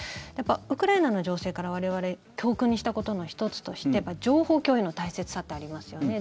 ウクライナの情勢から我々教訓にしたことの１つとして情報共有の大切さってありますよね。